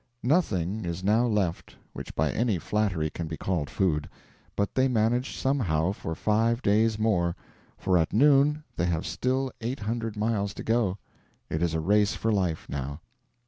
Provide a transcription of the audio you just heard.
Nothing is now left which by any flattery can be called food. But they must manage somehow for five days more, for at noon they have still eight hundred miles to go. It is a race for life now.